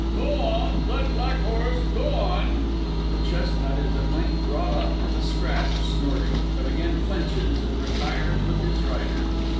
_) Go on that black horse go on! (_The chestnut is at length brought up to the scratch snorting, but again flinches, and retires with his rider.